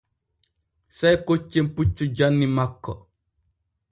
Sey koccen puccu janni makko.